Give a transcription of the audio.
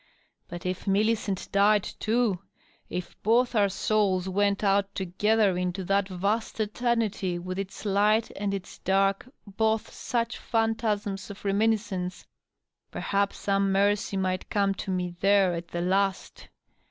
.. But if Millicent died, too ! If both our souls went out together into that vast Etemiiy, with its light and its dark both such phantasms of reminiscence I .. Perhaps some mercy might come to me there at the last.